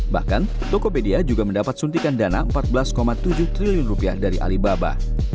bahkan tokopedia juga mendapat suntikan dana rp empat belas tujuh triliun rupiah dari alibaba